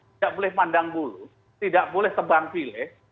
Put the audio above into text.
tidak boleh pandang bulu tidak boleh tebang pilih